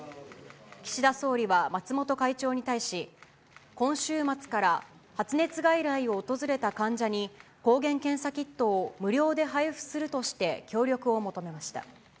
岸田総理は松本会長に対し、今週末から発熱外来を訪れた患者に、抗原検査キットを無料で配布するとして協力を求めました。